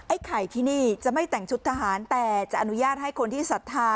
ไข่ที่นี่จะไม่แต่งชุดทหารแต่จะอนุญาตให้คนที่ศรัทธา